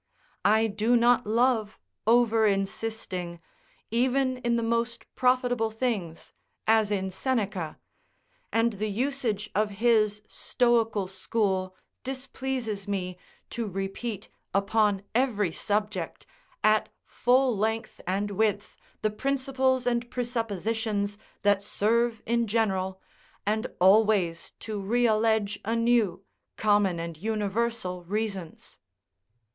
I do not love over insisting, even in the most profitable things, as in Seneca; and the usage of his stoical school displeases me, to repeat, upon every subject, at full length and width the principles and presuppositions that serve in general, and always to realledge anew common and universal reasons.